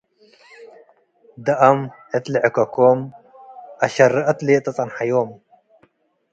ደአም እት ለዕከኮም አሸረ'አት ሌዐ ጸንሐዮም።